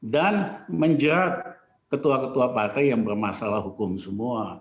dan menjerat ketua ketua partai yang bermasalah hukum semua